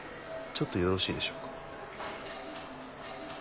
ちょっとよろしいでしょうか？